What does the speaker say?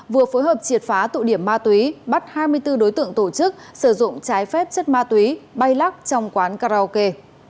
vừa phối hợp triệt phá tụ điểm ma túy bắt hai mươi bốn đối tượng tổ chức sử dụng trái phép chất ma túy bay lắc trong quán karaoke